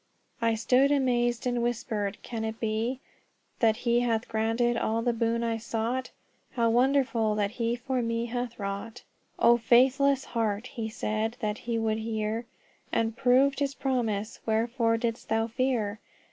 "I stood amazed and whispered, 'Can it be That he hath granted all the boon I sought, How wonderful that he for me hath wrought!' Oh, faithless heart! he said that he would hear, And proved his promise, wherefore didst thou fear?